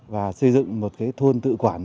và xây dựng một thôn tự quản